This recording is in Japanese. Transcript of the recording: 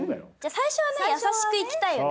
最初はねやさしくいきたいよね